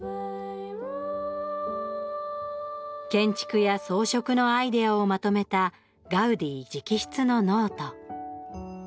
建築や装飾のアイデアをまとめたガウディ直筆のノート。